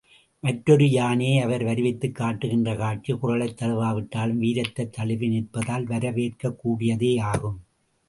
மற்றொரு யானையை அவர் வருவித்துக் காட்டுகின்ற காட்சி குறளைத் தழுவாவிட்டாலும், வீரத்தைத் தழுவி நிற்பதால் வரவேற்கக் கூடியதே யாகும்.